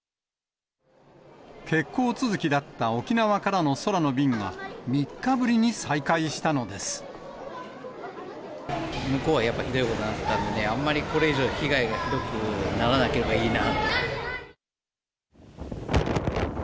欠航続きだった沖縄からの空向こうはやっぱり、ひどいことになってたんで、あんまりこれ以上、被害がひどくならなければいいな。